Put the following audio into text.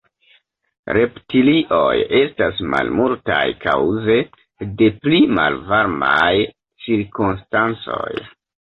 Reptilioj estas malmultaj kaŭze de pli malvarmaj cirkonstancoj.